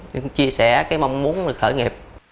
được chia sẻ cái mong muốn được khởi nghiệp